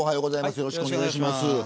よろしくお願いします。